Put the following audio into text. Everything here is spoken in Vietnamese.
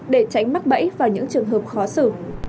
để tránh mắc bẫy vào những trường hợp khó xử